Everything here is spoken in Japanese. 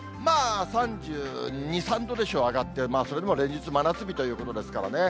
３２、３度でしょう、上がって、それでも連日、真夏日ということですからね。